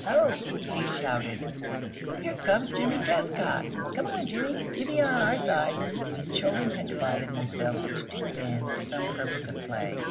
"Ho!" he shouted; "here comes Jimmie Trescott! Come on, Jimmie; you be on our side!" The children had divided themselves into two bands for some purpose of play.